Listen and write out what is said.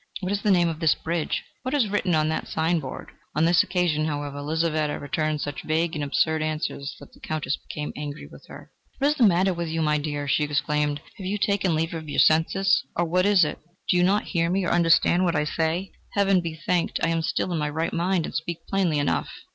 What is the name of this bridge? What is written on that signboard?" On this occasion, however, Lizaveta returned such vague and absurd answers, that the Countess became angry with her. "What is the matter with you, my dear?" she exclaimed. "Have you taken leave of your senses, or what is it? Do you not hear me or understand what I say?... Heaven be thanked, I am still in my right mind and speak plainly enough!"